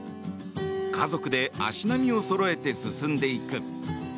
家族で足並みをそろえて進んでいく。